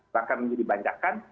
bahkan menjadi banjakan